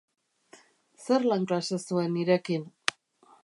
Zer lan klase zuen nirekin?